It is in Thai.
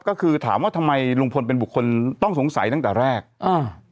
ก็คือถามว่าทำไมลุงพลเป็นบุคคลต้องสงสัยตั้งแต่แรกอ่า